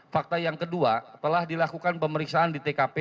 fakta yang kedua telah dilakukan pemeriksaan di tkp